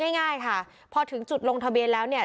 ง่ายค่ะพอถึงจุดลงทะเบียนแล้วเนี่ย